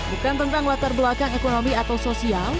bukan tentang latar belakang ekonomi atau sosial